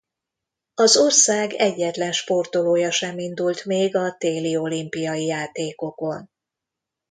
Az ország egyetlen sportolója sem indult még a téli olimpiai játékokon.